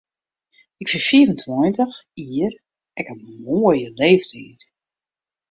Ik fyn fiif en tweintich jier ek in moaie leeftyd.